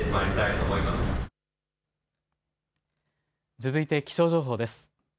続いて気象情報です。